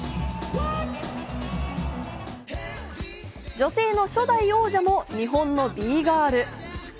女性の初代王者も日本のＢ−ＧＩＲＬ。